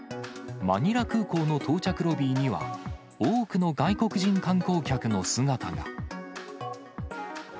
マニラ空港の到着ロビーには、多くの外国人観光客の姿が。